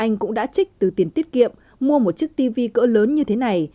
anh cũng đã trích từ tiền tiết kiệm mua một chiếc tv cỡ lớn như thế này